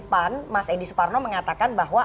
pan mas edi suparno mengatakan bahwa